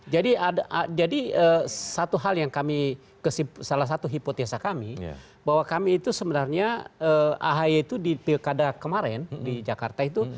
jadi satu hal yang kami salah satu hipotesa kami bahwa kami itu sebenarnya ahy itu di pilkada kemarin di jakarta itu